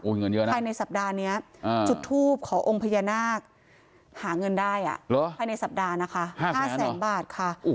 เงินเยอะนะภายในสัปดาห์นี้จุดทูปขอองค์พญานาคหาเงินได้ภายในสัปดาห์นะคะ๕แสนบาทค่ะ